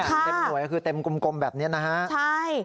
เต็มหน่วยก็คือเต็มกลมแบบนี้นะฮะใช่